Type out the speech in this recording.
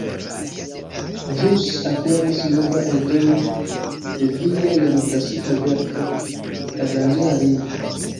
Ĵus aperis nova eldono de via jam klasika verko ”La danĝera lingvo”.